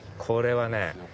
これはね